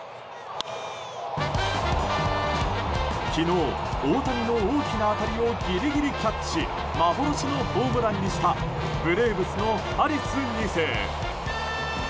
昨日、大谷の大きな当たりをギリギリキャッチ幻のホームランにしたブレーブスのハリス２世。